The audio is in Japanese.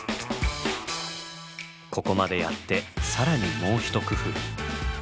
ここまでやって更にもうひと工夫。